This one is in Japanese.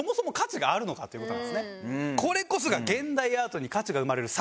これこそが。